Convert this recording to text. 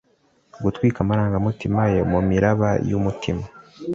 gutwika amarangamutima ye mumiraba yumutima